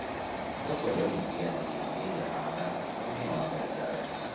Dopo le olimpiadi di Lillehammer, continuò a gareggiare.